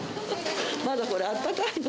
まだこれ、あったかいの。